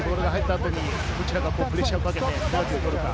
どちらがプレッシャーをかけてボールを取るか。